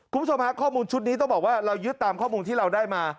คุณผู้ชมฮะข้อมูลชุดนี้ต้องบอกว่าเรายึดตามข้อมูลที่เราได้มา